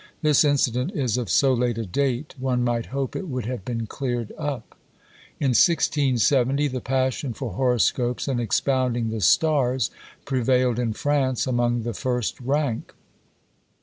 This incident is of so late a date, one might hope it would have been cleared up. In 1670, the passion for horoscopes and expounding the stars prevailed in France among the first rank.